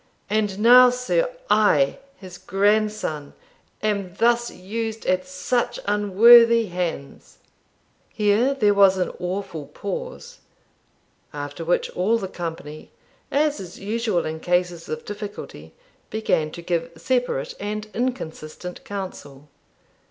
And now, sir, I, his grandson, am thus used at such unworthy hands.' Here there was an awful pause; after which all the company, as is usual in cases of difficulty, began to give separate and inconsistent counsel.